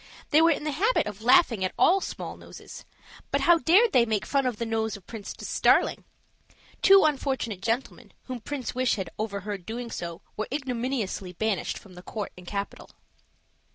They were in the habit of laughing at all small noses; but how dared they make fun of the nose of Princess Darling? Two unfortunate gentlemen, whom Prince Wish had overheard doing so, were ignominiously banished from the court and capital.